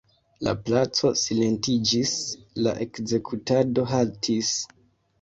La placo silentiĝis, la ekzekutado haltis.